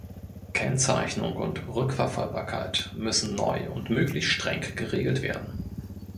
Kennzeichnung und Rückverfolgbarkeit müssen neu und möglichst streng geregelt werden.